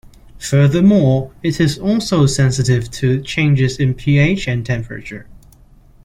Furthermore, it is also sensitive to changes in pH and temperature.